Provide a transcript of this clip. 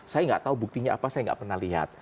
saya tidak tahu buktinya apa saya tidak pernah lihat